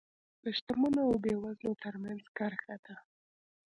د شتمنو او بېوزلو ترمنځ کرښه ده.